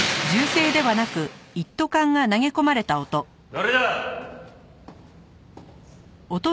誰だ！？